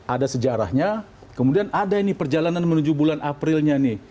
ada sejarahnya kemudian ada ini perjalanan menuju bulan aprilnya nih